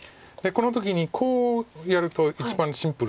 この時にこうやると一番シンプルなんですけど。